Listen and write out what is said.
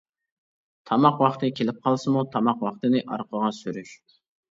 تاماق ۋاقتى كېلىپ قالسىمۇ، تاماق ۋاقتىنى ئارقىغا سۈرۈش.